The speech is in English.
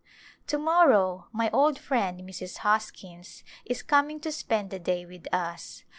To morrow^ my old friend Mrs. Hoskins is coming to spend the day with us.